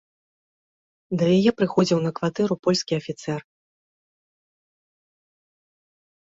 Да яе прыходзіў на кватэру польскі афіцэр.